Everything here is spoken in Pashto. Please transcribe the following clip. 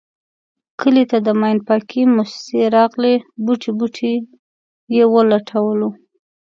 کلي ته د ماین پاکی موسیسه راغلې بوټی بوټی یې و لټولو.